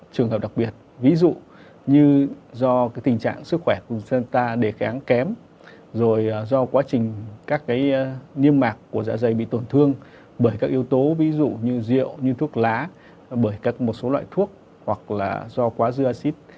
trường hợp đặc biệt ví dụ như do cái tình trạng sức khỏe của chúng ta đề kháng kém rồi do quá trình các cái niêm mạc của dạ dày bị tổn thương bởi các yếu tố ví dụ như rượu như thuốc lá bởi các một số loại thuốc hoặc là do quá dư acid